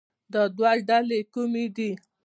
دا دوه ډلې کومې دي